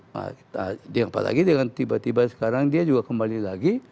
nah apalagi dengan tiba tiba sekarang dia juga kembali lagi